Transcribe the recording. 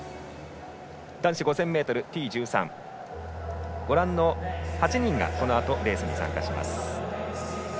男子５０００ｍＴ１３８人がこのあとレースに参加します。